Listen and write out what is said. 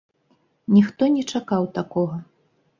Ніхто не чакаў такога.